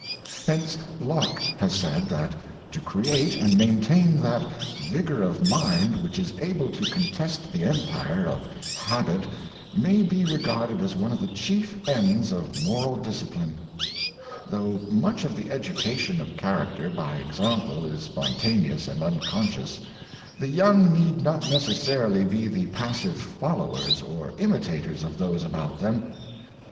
Hence Locke has said that to create and maintain that vigor of mind which is able to contest the empire of habit may be re garded as one of the chief ends of moral discipline. Though much of the education of character by ex ample is spontaneous and unconscious, the young need not necessarily be the passive followers or imitators of those about them.